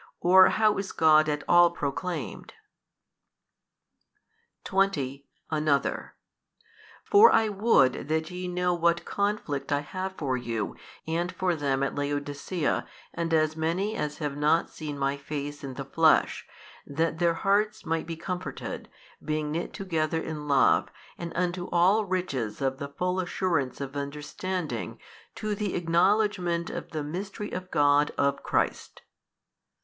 or how is God at all proclaimed? |209 20. Another. For I would that ye knew what conflict I have for you and for them at Laodicea and as many as have not seen my face in the flesh, that their hearts might be comforted, being knit together in love and unto all riches of the full assurance of understanding to the acknowledgement of the Mystery of God of Christ 20.